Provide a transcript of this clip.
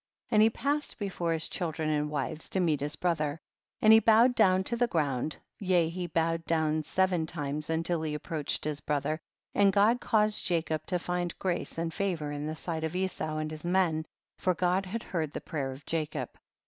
54. And he passed before his chil dren and wives to meet his brother, and he bowed down to the ground, yea he bowed down seven times un til he approached his brother, and God caused Jacob to find grace and favor in the sight of Esau and his men, for God had heard the prayer of Jacob.